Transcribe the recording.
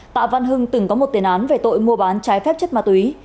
tạ văn hưng từng có một tiền án về tội mua bán trái phép chất ma túy